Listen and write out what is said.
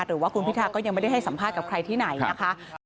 หรือว่าคุณพิทาก็ยังไม่ได้ให้สัมภาษณ์กับใครที่ไหนนะคะ